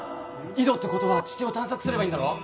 井戸ってことは地底を探索すればいいんだろ